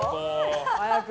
早く。